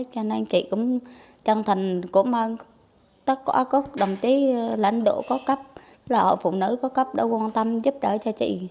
cho nên chị cũng chân thành cũng có đồng chí lãnh đạo có cấp là hội phụ nữ có cấp đã quan tâm giúp đỡ cho chị